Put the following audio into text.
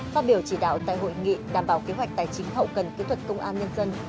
phát biểu chỉ đạo tại hội nghị đảm bảo kế hoạch tài chính hậu cần kỹ thuật công an nhân dân